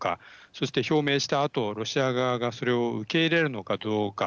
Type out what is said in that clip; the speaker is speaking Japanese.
そして表明したあとロシア側がそれを受け入れるのかどうか。